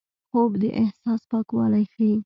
خوب د احساس پاکوالی ښيي